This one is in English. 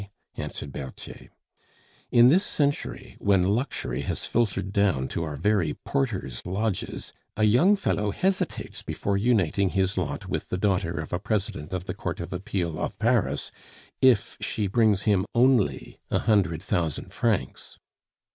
answered Berthier. "In this century, when luxury has filtered down to our very porters' lodges, a young fellow hesitates before uniting his lot with the daughter of a President of the Court of Appeal in Paris if she brings him only a hundred thousand francs.